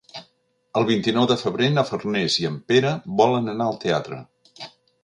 El vint-i-nou de febrer na Farners i en Pere volen anar al teatre.